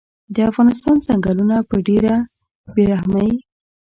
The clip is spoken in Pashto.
د افغانستان ځنګلونه په ډیره بیرحمۍ